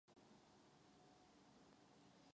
Hovořil jste o Turecku.